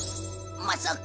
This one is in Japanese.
まさか。